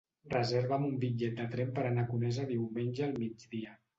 Reserva'm un bitllet de tren per anar a Conesa diumenge al migdia.